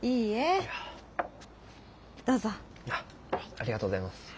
ありがとうございます。